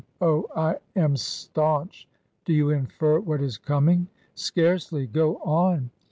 Oh, I am staunch !*'" Do you infer what is coming ?"" Scarcely. Go on."